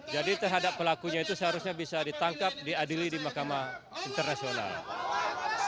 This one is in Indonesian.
jadi terhadap pelakunya itu seharusnya bisa ditangkap diadili di mahkamah internasional